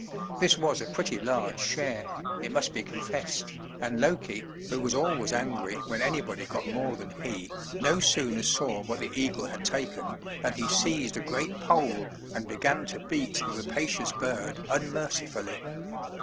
This was a pretty large share, it must be confessed, and Loki, who was always angry when anybody got more than he, no sooner saw what the eagle had taken, than he seized a great pole and began to beat the rapacious bird unmercifully.